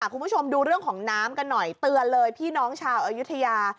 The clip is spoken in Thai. คุณผู้ชมดูเรื่องของน้ำกันหน่อยเตือนเลยพี่น้องชาวอายุทยา